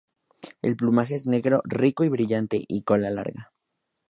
El plumaje es negro, rico y brillante y cola larga.